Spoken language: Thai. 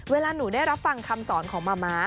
เวลาหนูได้รับฟังคำสอนของมาม้า